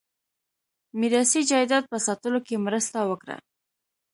میراثي جایداد په ساتلو کې مرسته وکړه.